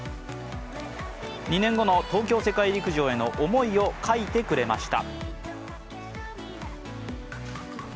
２年後の東京世界陸上への思いを書いてくれました。